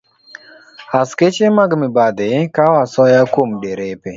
Askeche mag mibadhi kawo asoya kuom derepe